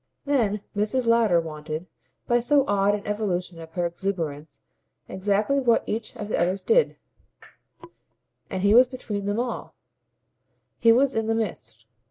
Then Mrs. Lowder wanted, by so odd an evolution of her exuberance, exactly what each of the others did; and he was between them all, he was in the midst.